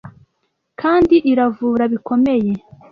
Kandi iravura bikomeye